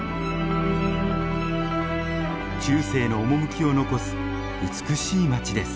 中世の趣を残す美しい町です。